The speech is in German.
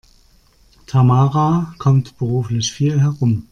Tamara kommt beruflich viel herum.